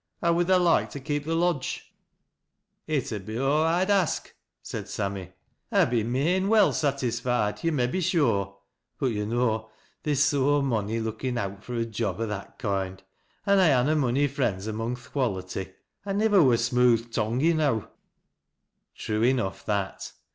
How would tlia loike to keep the lodge ?"" It ud be aw I'd ax," said Sammy. " I'd be main well satisfied, yo' mebbe sure; but yo' know theer's so mony lookin' out for a job o' that koind, an' I ha' na mony friends among th' quality. I niwer wur Bmooth tongued enow." True enough that.